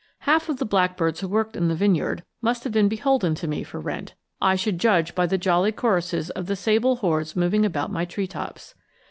Half of the blackbirds who worked in the vineyard must have been beholden to me for rent, I should judge by the jolly choruses of the sable hordes moving about my treetops.